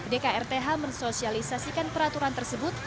dkrth mensosialisasikan peraturan tersebut